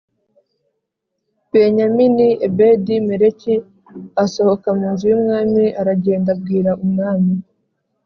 Benyamini Ebedi Meleki asohoka mu nzu y umwami aragenda abwira umwami